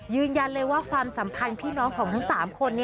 ยืนยันเลยว่าความสัมพันธ์พี่น้องของทั้ง๓คน